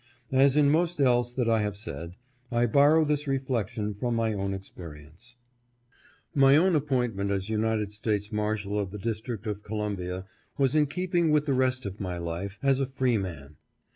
As in most else that I have said, I borrow this reflection from my own experience. My appointment as United States Marshal of the Dis trict of Columbia, was in keeping with the rest of my life, as a freeman.